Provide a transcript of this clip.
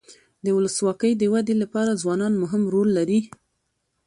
د ولسواکۍ د ودي لپاره ځوانان مهم رول لري.